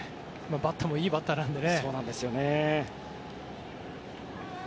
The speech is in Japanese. バッターもいいバッターなので。